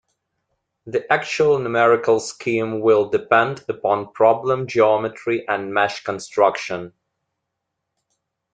The actual numerical scheme will depend upon problem geometry and mesh construction.